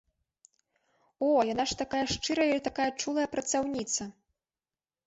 О, яна ж такая шчырая і такая чулая працаўніца!